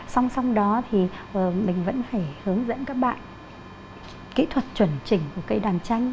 xong xong đó thì mình vẫn phải hướng dẫn các bạn kỹ thuật chuẩn chỉnh của cây đàn tranh